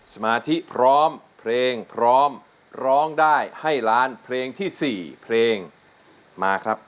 สมาธิพร้อมเพลงพร้อมร้องได้ให้ล้านเพลงที่๔เพลงมาครับ